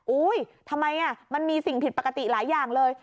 ทำไมมันมีสิ่งผิดปกติหลายอย่างเลย